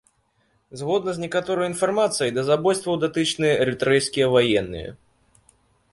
Згодна з некаторай інфармацыі, да забойстваў датычныя эрытрэйскі ваенныя.